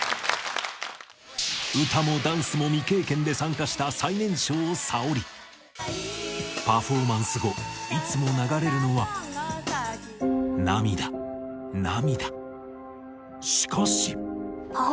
歌もダンスも未経験で参加した最年少沙織パフォーマンス後いつも流れるのは涙涙